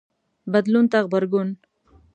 بدلون ته غبرګون